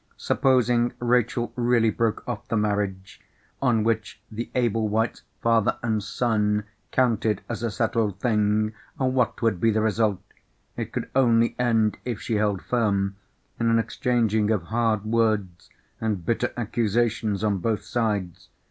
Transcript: Supposing Rachel really broke off the marriage, on which the Ablewhites, father and son, counted as a settled thing, what would be the result? It could only end, if she held firm, in an exchanging of hard words and bitter accusations on both sides.